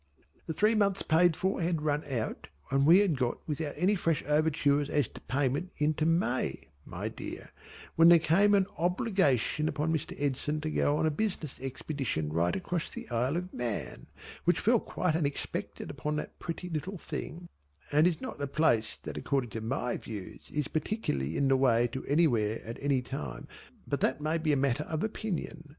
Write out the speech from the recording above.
The three months paid for had run out and we had got without any fresh overtures as to payment into May my dear, when there came an obligation upon Mr. Edson to go a business expedition right across the Isle of Man, which fell quite unexpected upon that pretty little thing and is not a place that according to my views is particularly in the way to anywhere at any time but that may be a matter of opinion.